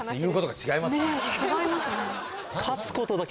違いますね。